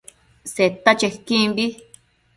Seta chequimbi